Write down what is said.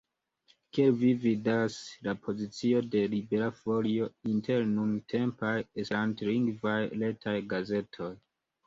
Kiel vi vidas la pozicion de Libera Folio inter nuntempaj esperantlingvaj retaj gazetoj?